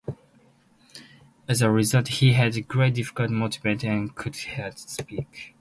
As a result, he had great difficulty moving and could hardly speak.